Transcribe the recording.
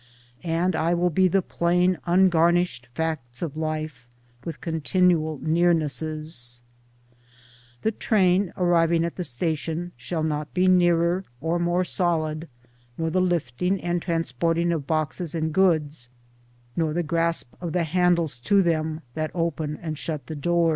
And I will be the plain ungarnished facts of life, with continual nearnesses ; The train arriving at the station shall not be nearer or more solid ; nor the lifting and transporting of boxes and goods, nor the grasp of the handles to them that open and shut the doors.